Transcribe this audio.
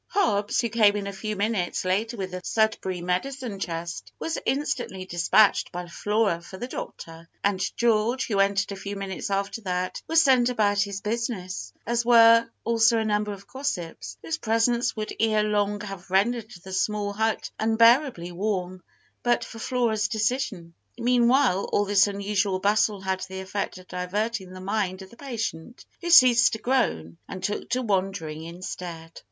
Hobbs, who came in a few minutes later with the Sudberry medicine chest, was instantly despatched by Flora for the doctor, and George, who entered a few minutes after that, was sent about his business, as were also a number of gossips, whose presence would ere long have rendered the small hut unbearably warm, but for Flora's decision. Meanwhile all this unusual bustle had the effect of diverting the mind of the patient, who ceased to groan, and took to wandering instead.